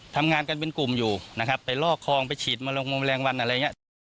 ทำงานกันเป็นกลุ่มอยู่นะครับไปลอกคลองไปฉีดแมลงงมแมลงวันอะไรอย่างนี้